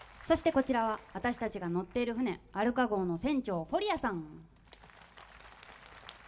そしてこちらは私たちが乗っている船アルカ号の船長フォリアさん！